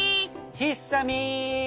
ひっさみん。